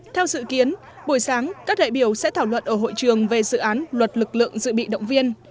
theo dự kiến buổi sáng các đại biểu sẽ thảo luận ở hội trường về dự án luật lực lượng dự bị động viên